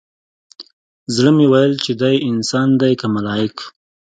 زړه مې ويل چې دى انسان دى که ملايک.